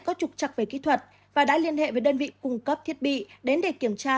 có trục trặc về kỹ thuật và đã liên hệ với đơn vị cung cấp thiết bị đến để kiểm tra